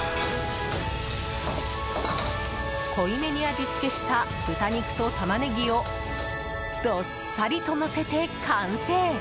濃いめに味付けした豚肉とタマネギをどっさりとのせて完成！